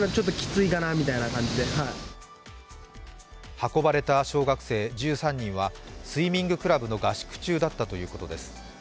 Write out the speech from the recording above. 運ばれた小学生１３人はスイミングクラブの合宿中だったということです。